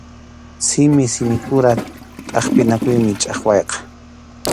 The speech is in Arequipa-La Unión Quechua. Simi simipura tʼaqwinakuymi chʼaqwayqa.